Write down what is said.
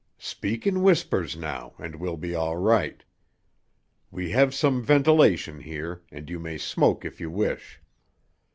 "Speak in whispers now, and we'll be all right. We have some ventilation here, and you may smoke if you wish.